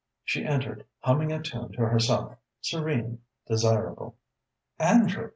She entered, humming a tune to herself, serene, desirable. "Andrew!"